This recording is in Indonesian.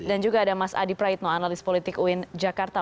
dan juga ada mas adi praitno analis politik uin jakarta